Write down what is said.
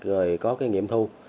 rồi có nghiệm thu